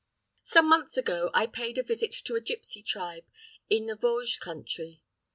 Some months ago, I paid a visit to a gipsy tribe in the Vosges country.